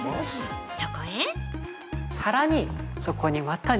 そこへ◆